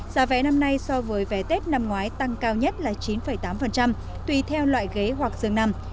giá vé năm nay so với vé tết năm ngoái tăng cao nhất là chín tám tùy theo loại ghế hoặc dường nằm